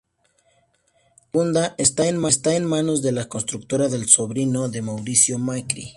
La segunda está en manos de la constructora del sobrino de Mauricio Macri.